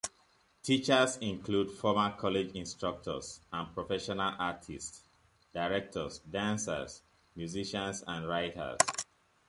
Teachers include former college instructors and professional artists, directors, dancers, musicians, and writers.